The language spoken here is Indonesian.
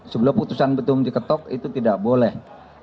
sebuah putusan belum diketok itu tidak boleh